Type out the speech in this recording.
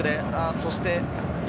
そして山